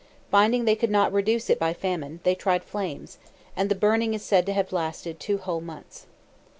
Finding they could not reduce it by famine, they tried flames, and the burning is said to have lasted two whole months.